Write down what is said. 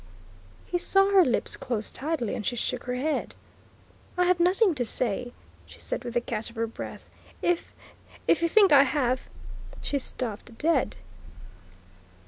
He saw her lips close tightly and she shook her head. "I have nothing to say," she said with a catch of her breath. "If if you think I have " She stopped dead.